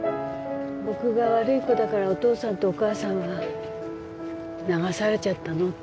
「僕が悪い子だからお父さんとお母さんは流されちゃったの？」